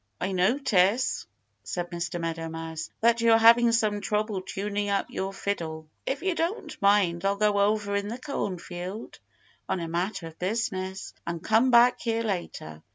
"I notice," said Mr. Meadow Mouse, "that you're having some trouble tuning up your fiddle. So if you don't mind I'll go over in the cornfield on a matter of business and come back here later.